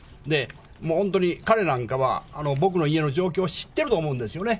本当に彼なんかは、僕の家の状況を知ってると思うんですよね。